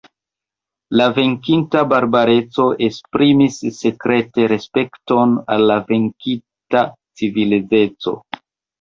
La venkinta barbareco esprimis sekrete respekton al la venkita civilizeco.